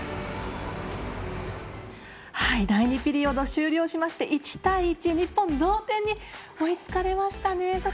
第２ピリオド終了しまして１対１、日本、同点に追いつかれましたね。